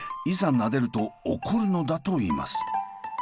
なでると怒るのだといいます。